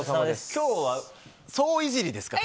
今日は総いじりですか？